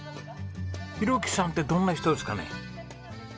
浩樹さんってどんな人ですかね？